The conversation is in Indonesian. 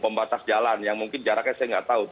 pembatas jalan yang mungkin jaraknya saya nggak tahu